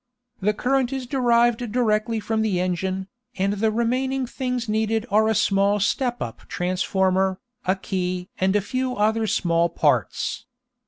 The current is derived directly from the engine, and the remaining things needed are a small step up transformer, a key and a few other small parts.